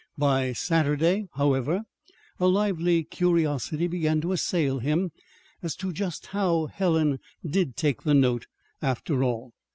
By Saturday, however, a lively curiosity began to assail him as to just how Helen did take the note, after all.